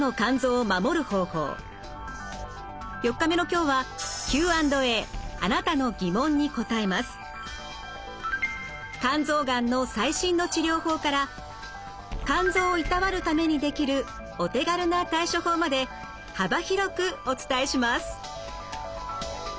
４日目の今日は肝臓がんの最新の治療法から肝臓をいたわるためにできるお手軽な対処法まで幅広くお伝えします。